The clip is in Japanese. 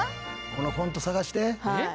このフォント探して。